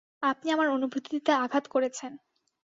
আপনি আমার অনুভূতিতে আঘাত করেছেন!